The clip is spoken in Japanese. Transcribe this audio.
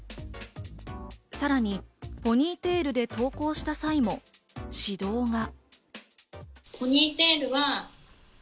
さらにポニーテールで登校した際も指導が。